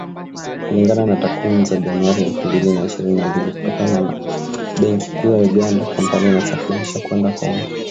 Kulingana na takwimu za Januari elfu mbili na ishirini na mbili kutoka Benki Kuu ya Uganda, Kampala inasafirisha kwenda Kongo